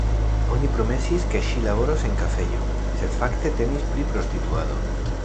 Oni promesis, ke ŝi laboros en kafejo, sed fakte temis pri prostituado.